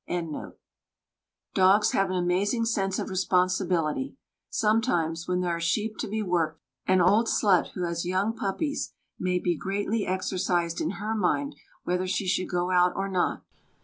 Dogs have an amazing sense of responsibility. Sometimes, when there are sheep to be worked, an old slut who has young puppies may be greatly exercised in her mind whether she should go out or not.